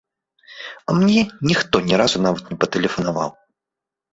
А мне ніхто ні разу нават не патэлефанаваў.